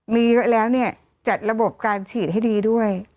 มีเยอะแล้วเนี่ยจัดระบบการฉีดให้ดีด้วย